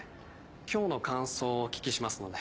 今日の感想をお聞きしますので。